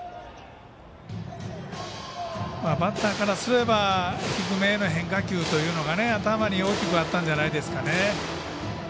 バッターからすれば低めの変化球というのが頭に大きくあったんじゃないでしょうかね。